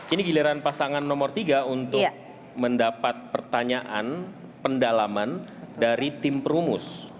ini giliran pasangan nomor tiga untuk mendapat pertanyaan pendalaman dari tim perumus